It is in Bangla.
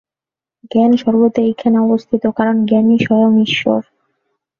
জ্ঞান সর্বদা এইখানেই অবস্থিত, কারণ জ্ঞানই স্বয়ং ঈশ্বর।